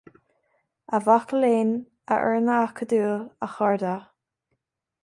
A mhaca léinn, a fhoirne acadúil, a chairde,